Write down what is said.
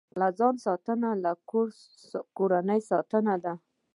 له ځان ساتنه، له کورنۍ ساتنه ده.